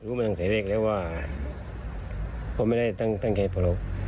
รู้บ้างใส่เลขเลยว่าก็ไม่ได้ตั้งตั้งแค่ปรก